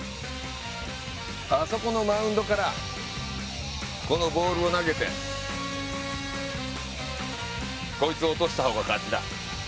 あそこのマウンドからこのボールを投げてこいつを落とした方が勝ちだ。